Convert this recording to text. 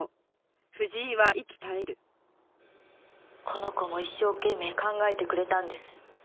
この子も一生懸命考えてくれたんです。